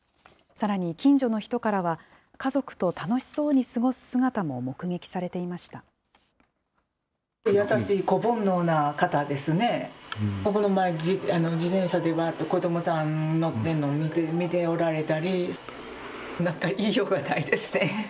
さらに近所の人からは、家族と楽しそうに過ごす姿も目撃されていました。